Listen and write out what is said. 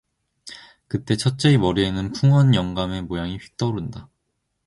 그때 첫째의 머리에는 풍헌 영감의 모양이 휙 떠오른다.